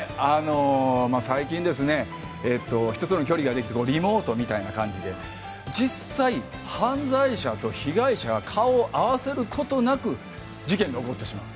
最近人との距離ができてリモートみたいな感じで実際、犯罪者と被害者が顔を合わせることなく事件が起きてしまう。